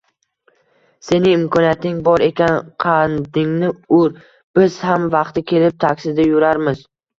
Sening imkoniyating bor ekan, qandingni ur, biz ham vaqti kelib taksida yurarmiz